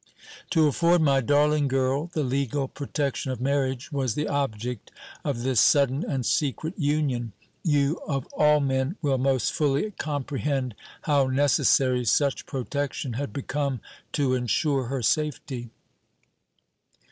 To afford my darling girl the legal protection of marriage was the object of this sudden and secret union. You, of all men, will most fully comprehend how necessary such protection had become to ensure her safety.